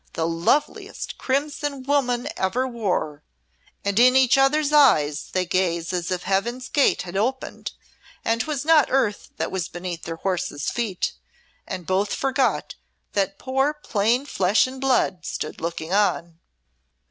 the loveliest crimson woman ever wore. And in each other's eyes they gaze as if Heaven's gate had opened, and 'twas not earth that was beneath their horses' feet, and both forgot that poor plain flesh and blood stood looking on!"